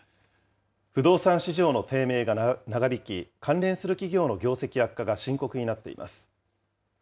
不動産市場の低迷が長引き、関連する企業の業績悪化が深刻になっています。